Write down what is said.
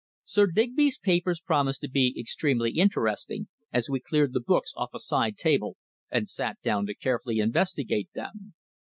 Sir Digby's papers promised to be extremely interesting, as we cleared the books off a side table and sat down to carefully investigate them.